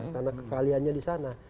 karena kekaliannya di sana